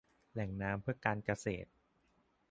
แหล่งน้ำเพื่อการเกษตร